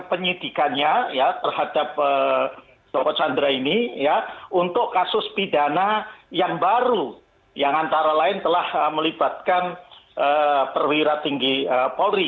penyidikannya ya terhadap joko chandra ini ya untuk kasus pidana yang baru yang antara lain telah melibatkan perwira tinggi polri